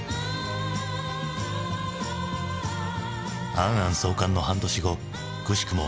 「ａｎ・ａｎ」創刊の半年後くしくも